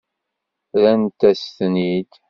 Rrant-as-ten-id.